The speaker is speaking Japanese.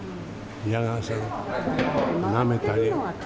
嫌がらせの、なめたり。